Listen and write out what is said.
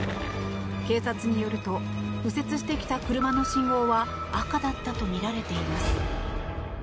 警察によると右折してきた車の信号は赤だったとみられています。